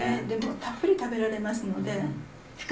たっぷり食べられますので。